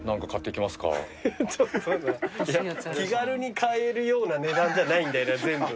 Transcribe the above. いや気軽に買えるような値段じゃないんだよな全部。